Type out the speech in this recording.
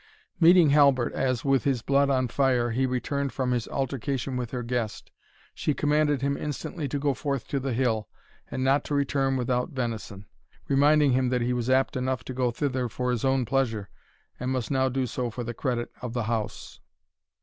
Meeting Halbert, as, with his blood on fire, he returned from his altercation with her guest, she commanded him instantly to go forth to the hill, and not to return without venison; reminding him that he was apt enough to go thither for his own pleasure, and must now do so for the credit of the house.